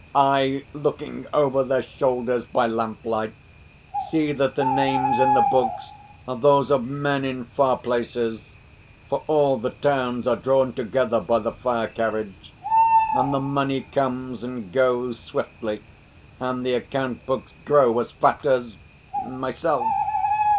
I, looking over their shoulders by lamplight, see that the names in the books are those of men in far places for all the towns are drawn together by the fire carriage, and the money comes and goes swiftly, and the account books grow as fat as myself.